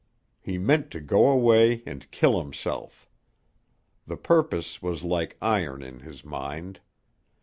He meant to go away and kill himself. The purpose was like iron in his mind.